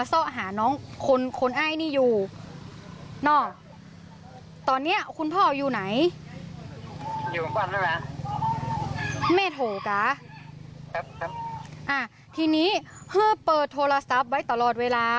ทีนี้เพิ่มเปิดโทรสัตว์ไว้ตลอดเวลา